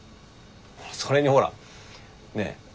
それにほらねえ